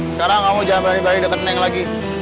sekarang kamu jangan berani berani deket neng lagi